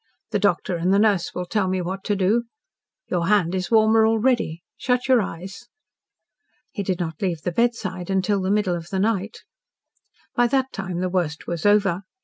The doctor and the nurse will tell me what to do. Your hand is warmer already. Shut your eyes." He did not leave the bedside until the middle of the night. By that time the worst was over.